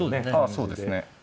あそうですね。